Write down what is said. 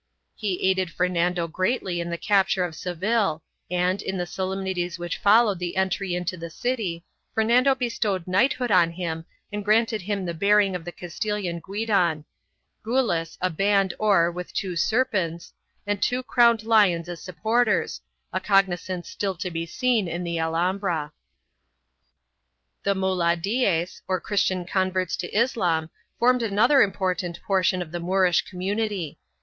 He aided Fernando greatly in the capture of Seville, and, in the solemnities which followed the entry into the city, Fernando bestowed knighthood on him and granted him the bearing of the Castilian guidon — gules, a band or, with two serpents, and two crowned lions as supporters — a cognizance still to be seen in the Alhambra.2 The Muladies, or Christian converts to Islam, formed another important portion of the Moorish community.